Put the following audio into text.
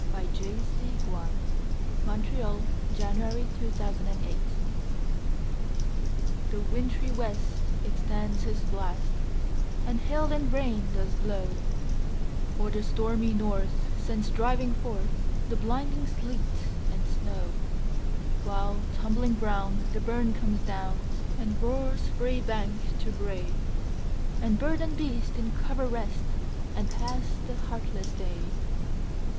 The Harvard Classics. 1909–14. 1781 15 . Winter: A Dirge THE WINTRY west extends his blast, And hail and rain does blaw; Or the stormy north sends driving forthThe blinding sleet and snaw:While, tumbling brown, the burn comes down, And roars frae bank to brae; And bird and beast in covert rest, And pass the heartless day.